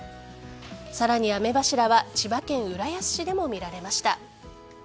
さらに、雨柱は千葉県浦安市でも見られました。